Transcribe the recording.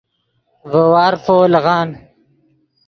ڤے وارفو لیغان